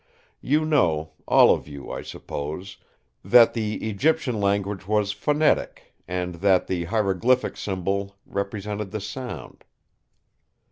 You know, all of you, I suppose, that the Egyptian language was phonetic, and that the hieroglyphic symbol represented the sound.